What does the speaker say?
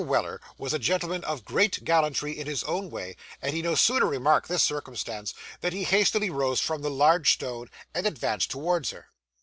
Weller was a gentleman of great gallantry in his own way, and he no sooner remarked this circumstance than he hastily rose from the large stone, and advanced towards her.